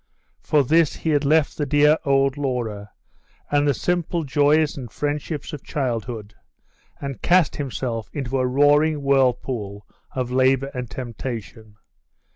For this he had left the dear old Laura, and the simple joys and friendships of childhood, and cast himself into a roaring whirlpool of labour and temptation!